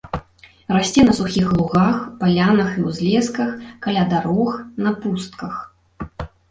Расце на сухіх лугах, палянах і ўзлесках, каля дарог, на пустках.